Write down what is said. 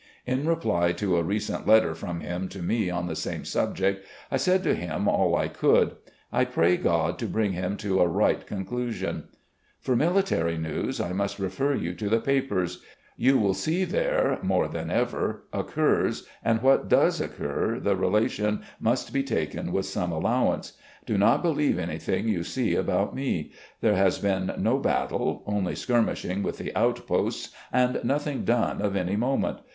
In reply to a recent letter from him to me on the same subject, I said to him all I could. I pray God to bring him to a right conclusion. ... For military news, I must refer you to the papers. You will see there more than ever occurs, and what does occur the relation must be taken with some allowance. Do not believe anything you see about me. There has been no battle, only skirmishing with the outposts, and nothing done of any moment.